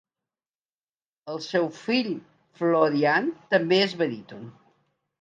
El seu fill Florian també és baríton.